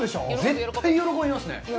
絶対喜びますね。